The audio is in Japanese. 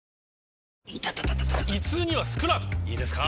イタタ．．．胃痛にはスクラートいいですか？